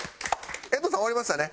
衛藤さん終わりましたね？